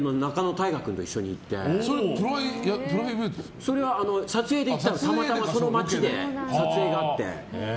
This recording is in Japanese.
それは撮影で行ったのたまたまその街で撮影があって。